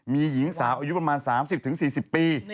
มีหญิงสาวอายุประมาณ๓๐๔๐ปี